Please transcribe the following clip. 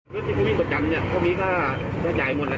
รถที่เขาวิ่งประจำเขามีค่าจะจ่ายหมด